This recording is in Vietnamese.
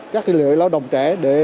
các lợi lợi lao động trẻ